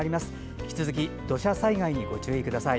引き続き土砂災害にご注意ください。